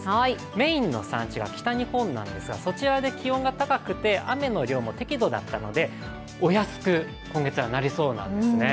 メインの産地が北日本なんですがそちらで気温が高くて、雨の量も適度だったので、お安く今月はなりそうなんですね。